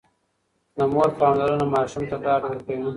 د مور پاملرنه ماشوم ته ډاډ ورکوي.